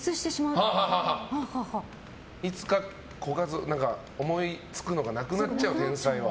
いつか思いつくのがなくなっちゃう、凡才は。